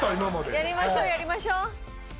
やりましょやりましょ。